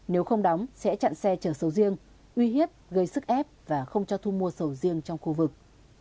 nếu không đóng sẽ chặn xe chở sầu riêng uy hiếp gây sức ép và không cho thu mua sầu riêng trong khu vực